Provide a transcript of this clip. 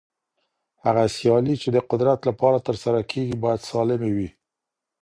هغه سيالۍ چي د قدرت لپاره ترسره کېږي بايد سالمي وي.